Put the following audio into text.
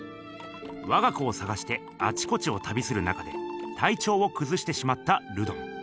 わが子を探してあちこちをたびする中でたいちょうをくずしてしまったルドン。